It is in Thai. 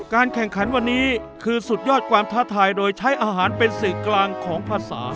การแข่งขันวันนี้คือสุดยอดความท้าทายโดยใช้อาหารเป็นสื่อกลางของภาษา